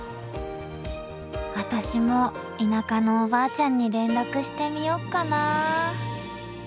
私も田舎のおばあちゃんに連絡してみよっかな。